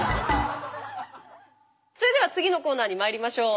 それでは次のコーナーにまいりましょう。